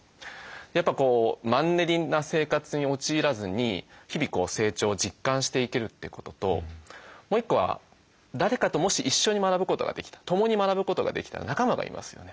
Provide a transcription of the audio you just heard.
やっぱマンネリな生活に陥らずに日々成長を実感していけるってことともう一個は誰かともし一緒に学ぶことができた共に学ぶことができたら仲間がいますよね。